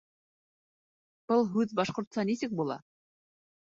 Был һүҙ башҡортса нисек була?